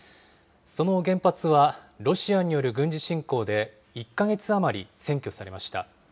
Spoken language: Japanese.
その原発は、ロシアによる軍事侵攻で、１か月余り占拠されました。